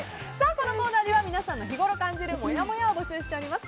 このコーナーでは皆さんの日ごろ感じるもやもやを募集しています。